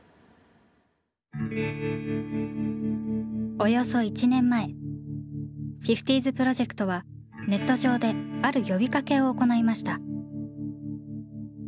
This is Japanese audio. およそ１年前フィフティーズプロジェクトはネット上である呼びかけを行いました。